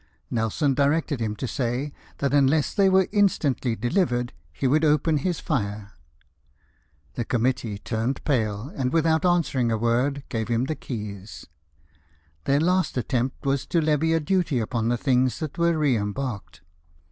Nelson directed him to say that unless they were instantly delivered he would open his fire. The committee turned pale, and without answering a word gave him the keys. Their last attempt was to levy a duty upon the things that were re embarked.